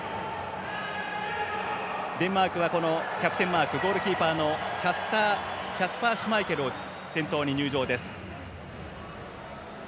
デンマークは、キャプテンマークゴールキーパーのキャスパー・シュマイケルを先頭に入場です。